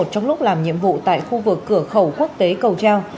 trong lúc làm nhiệm vụ tại khu vực cửa khẩu quốc tế cầu treo